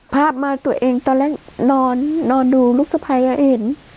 ภาพมาตัวเองตอนแรกนอนดูลูกสะพ้ายเห็น